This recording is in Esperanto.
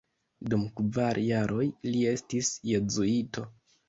Dum kvar jaroj li estis jezuito.